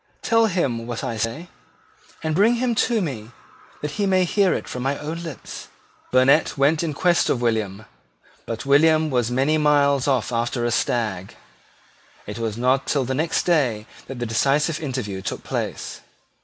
Tell him what I say; and bring him to me that he may hear it from my own lips." Burnet went in quest of William; but William was many miles off after a stag. It was not till the next day that the decisive interview took place.